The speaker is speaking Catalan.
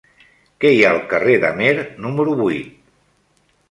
Què hi ha al carrer d'Amer número vuit?